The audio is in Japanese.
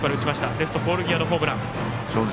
レフトポール際のホームラン。